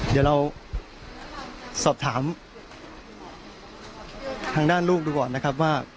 เดี๋ยวเราสอบถามทางด้านลูกดูก่อนนะครับว่า